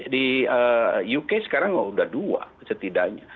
di uk sekarang sudah dua setidaknya